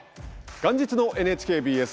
元日のＮＨＫＢＳ